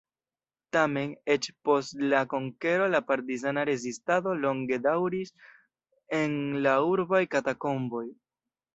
Tamen, eĉ post la konkero la partizana rezistado longe daŭris en la urbaj katakomboj.